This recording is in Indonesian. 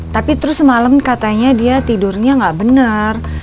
tapi terus semalam katanya dia tidurnya nggak benar